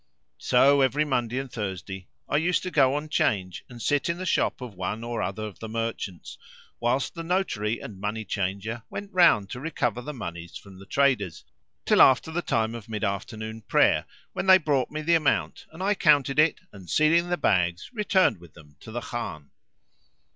So, every Monday and Thursday I used to go on 'Change and sit in the shop of one or other of the merchants, whilst the notary and money changer went round to recover the monies from the traders, till after the time of mid afternoon prayer, when they brought me the amount, and I counted it and, sealing the bags, returned with them to the Khan.